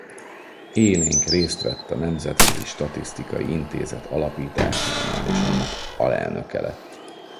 Élénk részt vett a nemzetközi statisztikai intézet alapításánál és annak alelnöke lett.